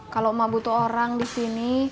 kalau mah butuh orang di sini